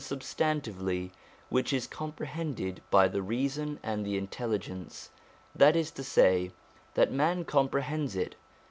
substantively, which is comprehended by the reason and the intelli gence: that is to say, that man comprehends it.